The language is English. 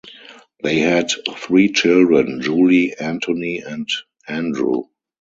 They had three children: Julie, Anthony and Andrew.